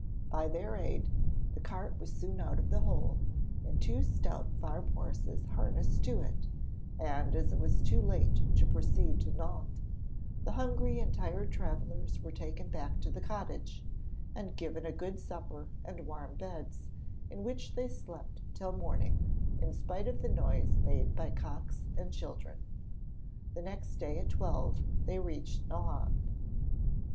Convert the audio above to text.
By their aid, the cart was soon out of the hole and two stout farm horses harnessed to it, and as it was too late to proceed to Nohant, the hungry and tired travellers were taken back to the cottage, and given a good supper and warm beds, in which they slept till morning, in spite of the noise made by cocks and children. The next day at twelve they reached Nohant.